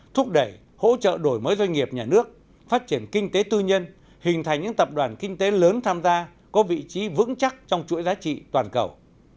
thúc đẩy hỗ trợ đổi mới doanh nghiệp nhà nước phát triển kinh tế tư nhân hình thành những tập đoàn kinh tế lớn tham gia có vị trí vững chắc trong chuỗi giá trị toàn cầu